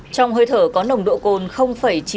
trong hơi thở có nồng độ cồn